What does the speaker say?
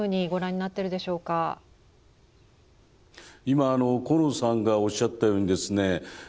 今あの鴻野さんがおっしゃったようにですね